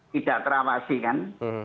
tidak terawasi kan